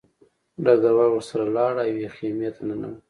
ډګروال ورسره لاړ او یوې خیمې ته ننوت